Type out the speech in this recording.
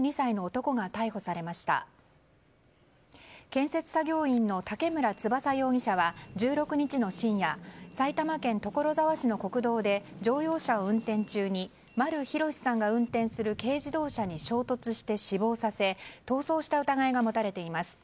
建設作業員の竹村飛翔容疑者は１６日の深夜埼玉県所沢市の国道で乗用車を運転中に丸裕さんが運転する軽自動車に衝突して死亡させ逃走した疑いが持たれています。